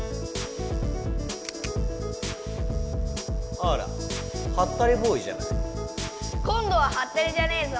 あらハッタリボーイじゃない？今度はハッタリじゃねえぞ！